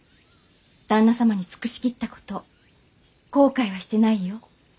旦那様に尽くし切ったこと後悔はしてないよ。